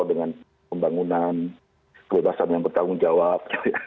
dengan pembangunan kebebasan yang bertanggung jawab